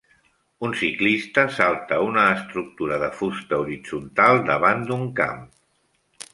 Un ciclista salta una estructura de fusta horitzontal davant d'un camp.